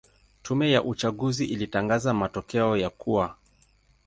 Tume ya uchaguzi ilitangaza matokeo ya kuwa